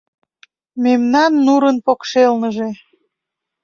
Мемнан нурын покшелныже